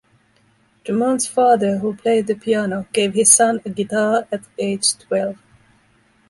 Dumont's father, who played the piano, gave his son a guitar at age twelve.